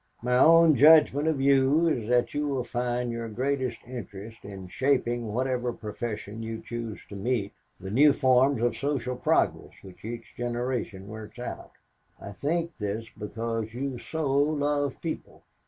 My own judgment of you is that you will find your greatest interest in shaping whatever profession you choose to meet the new forms of social progress which each generation works out. I think this because you so love people.